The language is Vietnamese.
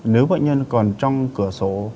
nếu bệnh nhân còn trong cửa sổ